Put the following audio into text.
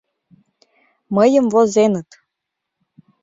— Мыйым возеныт.